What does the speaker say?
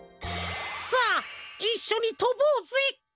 さあいっしょにとぼうぜ！